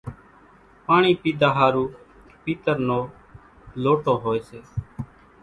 پاڻِي پيڌا ۿارُو پيتر نو لوٽو هوئيَ سي۔